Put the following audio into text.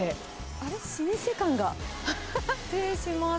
あれ、老舗感が。失礼します。